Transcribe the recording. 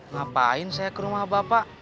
ngapain saya ke rumah bapak